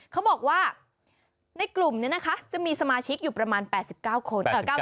เขาบอกว่าในกลุ่มนี้นะคะจะมีสมาชิกอยู่ประมาณ๘๙คน